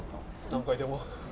何回でも。